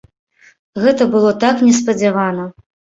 Гэта было так неспадзявана!